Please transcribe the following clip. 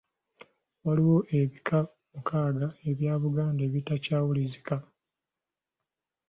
Waliwo ebika mukaaga ebya Buganda ebitakyawulizika.